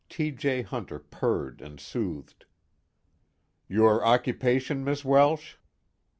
T. J. Hunter purred and soothed. "Your occupation, Miss Welsh?"